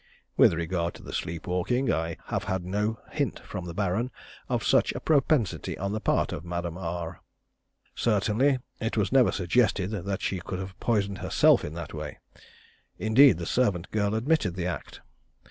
With regard to the sleep walking, I have had no hint from the Baron of such a propensity on the part of Madame R. Certainly it was never suggested that she could have poisoned herself in that way. Indeed the servant girl admitted the act.